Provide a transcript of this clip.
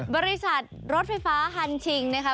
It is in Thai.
บริษัทรถไฟฟ้าฮันชิงนะคะ